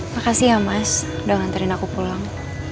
makasih ya mas udah nganterin aku pulang